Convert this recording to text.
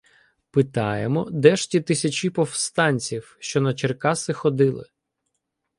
Питаємо, де ж ті тисячі повстанців, що на Черкаси ходили.